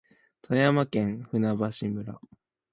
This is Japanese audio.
富山県舟橋村